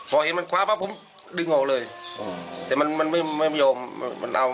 พอเห็นมันคว้าปั๊บผมดึงออกเลยแต่มันมันไม่ไม่ยอมมันเอา